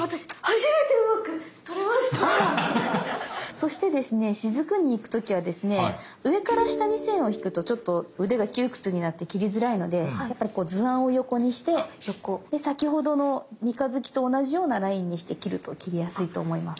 そしてですねしずくに行く時はですね上から下に線を引くとちょっと腕が窮屈になって切りづらいのでやっぱり図案を横にしてで先ほどの三日月と同じようなラインにして切ると切りやすいと思います。